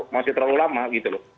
masih terlalu lama gitu loh